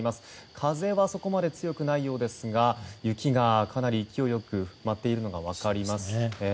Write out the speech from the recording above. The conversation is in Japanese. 風はそこまで強くないようですが雪が、かなり勢いよく待っているのが分かります。